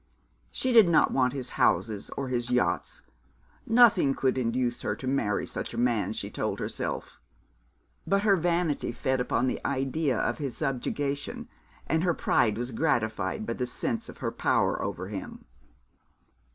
She did not want his houses or his yachts. Nothing could induce her to marry such a man, she told herself; but her vanity fed upon the idea of his subjugation, and her pride was gratified by the sense of her power over him.